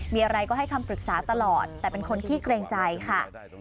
มีอะไรก็ให้คำปรึกษาตลอดแต่เป็นคนขี้เกรงใจค่ะ